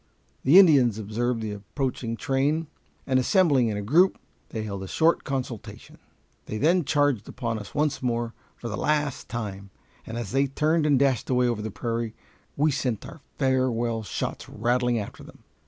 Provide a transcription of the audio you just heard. The Indians observed the approaching train, and assembling in a group, they held a short consultation. They then charged upon us once more, for the last time, and as they turned and dashed away over the prairie, we sent our farewell shots rattling after them.